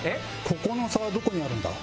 ここの差はどこにあるんだ？